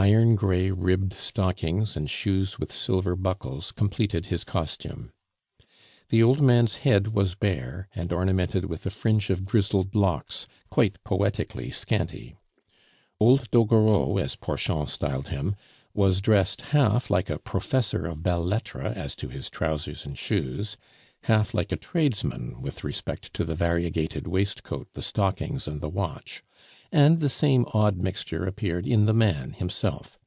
Iron gray ribbed stockings, and shoes with silver buckles completed is costume. The old man's head was bare, and ornamented with a fringe of grizzled locks, quite poetically scanty. "Old Doguereau," as Porchon styled him, was dressed half like a professor of belles lettres as to his trousers and shoes, half like a tradesman with respect to the variegated waistcoat, the stockings, and the watch; and the same odd mixture appeared in the man himself.